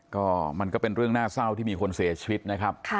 ก็มันก็เป็นเรื่องน่าเศร้าที่มีคนเสียชีวิตนะครับ